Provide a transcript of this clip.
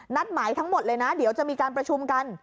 หมายทั้งหมดเลยนะเดี๋ยวจะมีการประชุมกัน